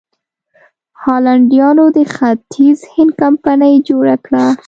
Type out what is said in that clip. هالنډیانو د ختیځ هند کمپنۍ جوړه کړه.